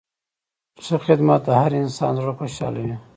ښه خدمت د هر انسان زړه خوشحالوي.